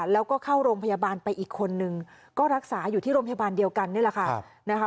แล้วก็เข้าโรงพยาบาลไปอีกคนนึงก็รักษาอยู่ที่โรงพยาบาลเดียวกันนี่แหละค่ะนะคะ